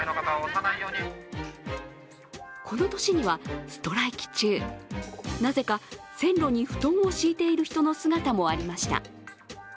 この年にはストライキ中、なぜか線路に布団を敷いている人の姿もありました。